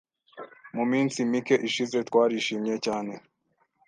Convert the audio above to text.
Mu minsi mike ishize, twarishimye cyane. .